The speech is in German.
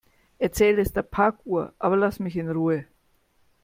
Erzähl es der Parkuhr, aber lass mich in Ruhe.